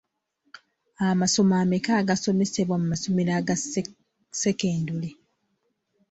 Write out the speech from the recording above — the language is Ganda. Amasomo ameka agasomesebwa mu masomero aga sekendule?